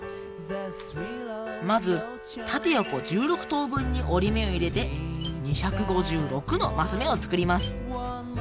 まず縦横１６等分に折り目を入れて２５６のマス目を作ります。